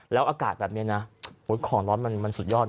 แล้วอากาศแบบนี้นะของร้อนมันสุดยอดนะ